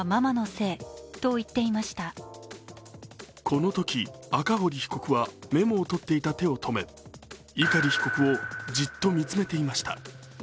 このとき赤堀被告はメモをとっていた手を止め碇被告をじっと見つめていました。